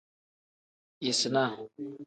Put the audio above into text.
Yisinaa.